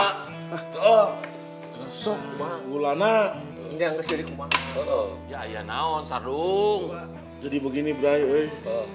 tau tidak ini tuh